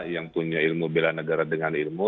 yang punya ilmu bela negara dengan ilmu